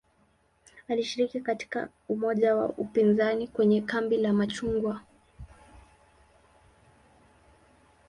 Alishiriki katika umoja wa upinzani kwenye "kambi la machungwa".